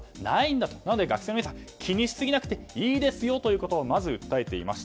だから学生の皆さん気にしすぎなくていいですよということを訴えていました。